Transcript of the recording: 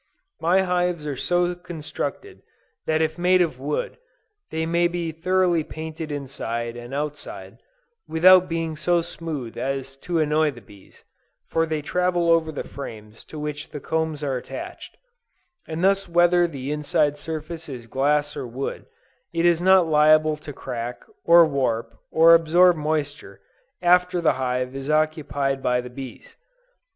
My hives are so constructed, that if made of wood, they may be thoroughly painted inside and outside, without being so smooth as to annoy the bees; for they travel over the frames to which the combs are attached; and thus whether the inside surface is glass or wood, it is not liable to crack, or warp, or absorb moisture, after the hive is occupied by the bees.